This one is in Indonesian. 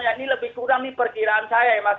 ini lebih kurang perkiraan saya mas